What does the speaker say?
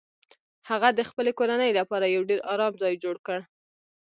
هغه د خپلې کورنۍ لپاره یو ډیر ارام ځای جوړ کړ